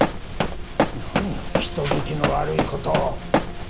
何を人聞きの悪い事を。